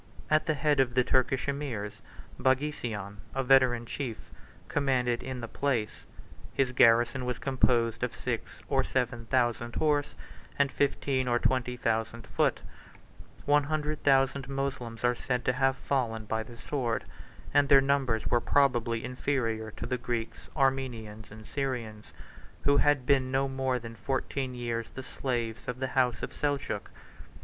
At the head of the Turkish emirs, Baghisian, a veteran chief, commanded in the place: his garrison was composed of six or seven thousand horse, and fifteen or twenty thousand foot: one hundred thousand Moslems are said to have fallen by the sword; and their numbers were probably inferior to the Greeks, Armenians, and Syrians, who had been no more than fourteen years the slaves of the house of Seljuk.